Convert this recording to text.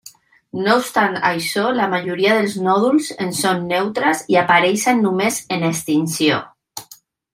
No obstant això, la majoria dels nòduls en són neutres i apareixen només en extinció.